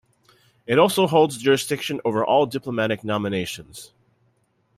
It also holds jurisdiction over all diplomatic nominations.